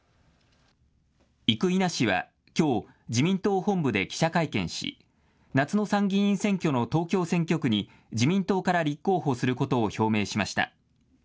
生稲氏はきょう自民党本部で記者会見し夏の参議院選挙の東京選挙区に自民党から立候補することを表明しました。